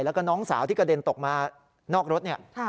แล้วก็น้องสาวที่กระเด็นตกมานอกรถเนี่ย